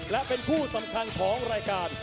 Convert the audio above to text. และเป็นคู่สำคัญของรายการ